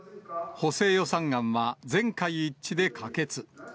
補正予算案は、全会一致で可決。